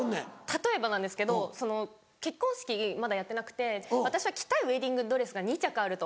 例えばなんですけど結婚式まだやってなくて私は着たいウエディングドレスが２着あると。